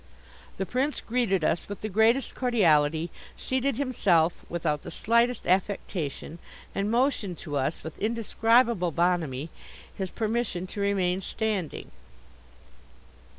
The Prince greeted us with the greatest cordiality, seated himself, without the slightest affectation, and motioned to us, with indescribable bonhomie, his permission to remain standing.